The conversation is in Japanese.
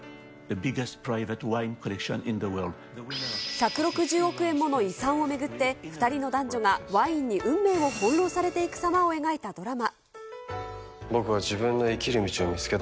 １６０億円もの遺産を巡って、２人の男女がワインに運命を翻弄されていくさまを描いたドラマ。